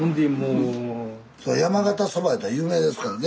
山形そばいうたら有名ですからね。